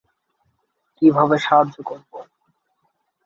কীভাবে সাহায্য করবো?